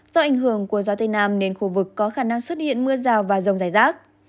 do ảnh hưởng của gió tây nam nên khu vực có khả năng xuất hiện mưa rào và rông rải rác